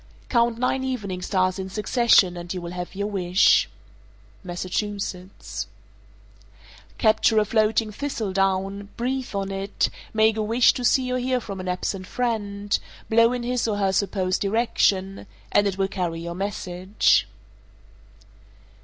_ 460. Count nine evening stars in succession, and you will have your wish. Massachusetts. 461. Capture a floating thistledown, breathe on it, make a wish to see or hear from an absent friend, blow in his or her supposed direction, and it will carry your message.